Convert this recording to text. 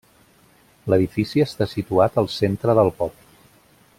L'edifici està situat al centre del poble.